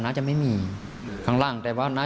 เขาเดินไปยิบเตรียมที่จะจุดเทียนให้พระธาน